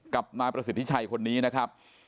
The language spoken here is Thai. กับนายประสิทธิชัยคนนี้นะครับ